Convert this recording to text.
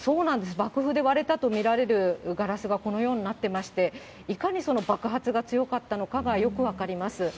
爆風でガラスがこのようになってまして、いかに爆発が強かったのかがよく分かります。